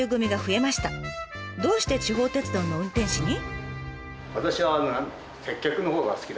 どうして地方鉄道の運転士に？